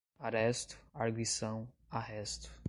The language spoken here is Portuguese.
aresto, arguição, arresto